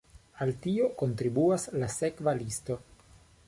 Al tio kontribuas la sekva listo.